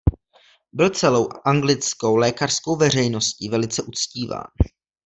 Byl celou anglickou lékařskou veřejností velice uctíván.